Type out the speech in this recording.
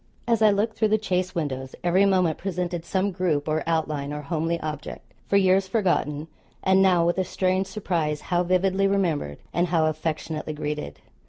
As I looked through the chaise windows, every moment presented some group, or outline, or homely object, for years forgotten; and now, with a strange surprise how vividly remembered and how affectionately greeted!